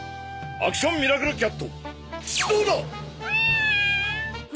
アクションミラクルキャット！